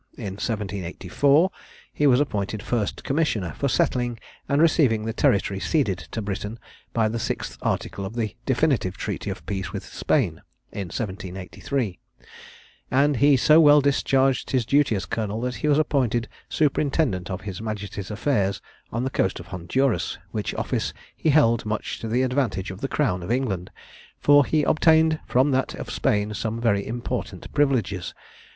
In 1784, he was appointed first commissioner for settling and receiving the territory ceded to Britain by the sixth article of the definitive treaty of peace with Spain, in 1783; and he so well discharged his duty as colonel, that he was appointed superintendant of his majesty's affairs on the coast of Honduras, which office he held much to the advantage of the crown of England, for he obtained from that of Spain some very important privileges.